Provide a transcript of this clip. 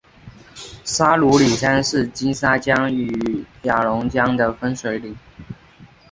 沙鲁里山是金沙江与雅砻江的分水岭。